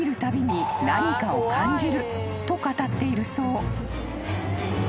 ［と語っているそう］